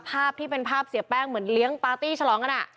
ภาพที่เป็นภาพเสียแป้งเหมือนเลี้ยงปาร์ตี้ฉลองกัน